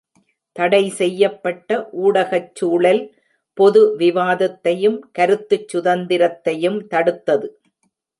தடைசெய்யப்பட்ட ஊடகச் சூழல் பொது விவாதத்தையும் கருத்துச் சுதந்திரத்தையும் தடுத்தது.